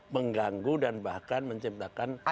mengganggu dan bahkan menciptakan